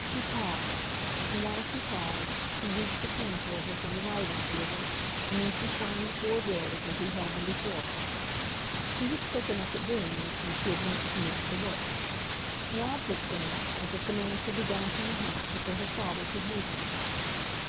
She paused, and while she paused, he reached a pen for her from the writing table, and then she signed the four bills as he held them before her. She was quick enough at doing this when she had once commenced the work. Her object, then, was that the man should be gone from the house before her father could meet him.